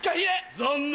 残念。